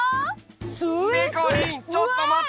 スイス。でこりんちょっとまって！